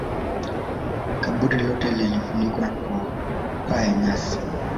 kaburi lote lilifunikwa kwa paa ya manyasi